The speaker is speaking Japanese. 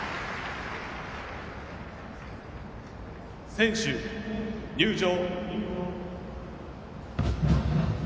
選手、入場！